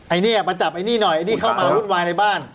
เนี่ยมาจับไอ้นี่หน่อยไอ้นี่เข้ามาวุ่นวายในบ้าน